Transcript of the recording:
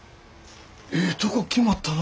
ええとこ決まったな。